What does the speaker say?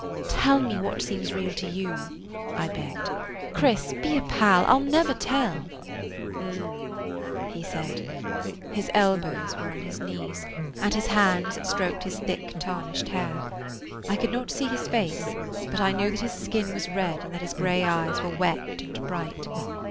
"Tell me what seems real to you," I begged. "Chris, be a pal. I 'll never tell." "M m m," he said. His elbows were on his knees, and his hands stroked his thick tarnished hair. I could not see his face, but I knew that his skin was red and that his gray eyes were wet and bright.